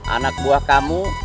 anak buah kamu